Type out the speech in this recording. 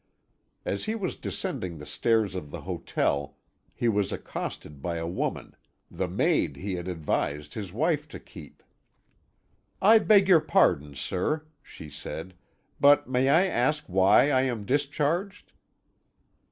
As he was descending the stairs of the hotel he was accosted by a woman, the maid he had advised his wife to keep. "I beg your pardon, sir," she said; "but may I ask why I am discharged?"